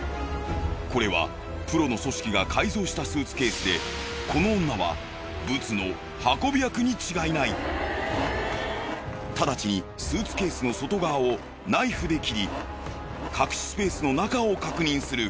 これはプロの組織が改造したスーツケースでこの女はブツの運び役に違いない。ただちにスーツケースの外側をナイフで切り。